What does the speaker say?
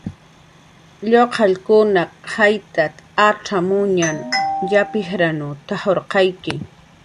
"Lluqallunkunaq jaytat acxamuñkun yap jijran t""ajarqayki. "